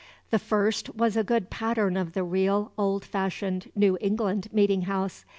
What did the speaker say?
The first was a good pattern of the real old fashioned New England meeting house.